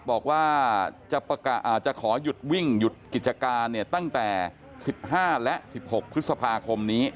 บอกว่าจะขอหยุดวิ่งหยุดกิจการตั้งแต่๑๕และ๑๖พฤษภาคมนี้